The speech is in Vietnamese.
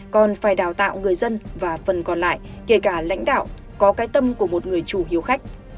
còn phải đào tạo người dân và phần còn lại kể cả lãnh đạo có cái tâm của một người chủ hiếu khách